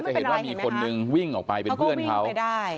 เห็นว่ามีคนนึงวิ่งออกไปเป็นเพื่อนเขา